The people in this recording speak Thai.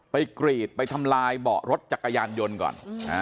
กรีดไปทำลายเบาะรถจักรยานยนต์ก่อน